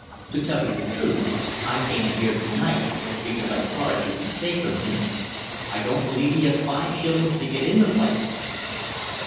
To tell you the truth, I came in here to night because I thought I should be safe from him. I don't believe he has five shillings to get in the place."